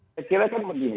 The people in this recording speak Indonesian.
saya kira kan begini